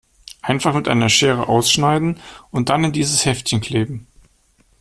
Einfach mit einer Schere ausschneiden und dann in dieses Heftchen kleben.